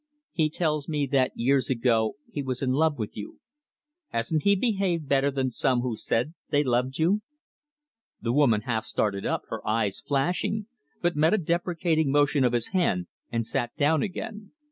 "He tells me that years ago he was in love with you. Hasn't he behaved better than some who said they loved you?" The woman half started up, her eyes flashing, but met a deprecating motion of his hand and sat down again.